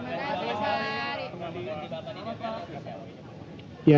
terima kasih pak